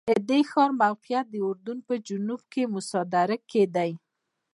د دې ښار موقعیت د اردن په جنوب کې موسی دره کې دی.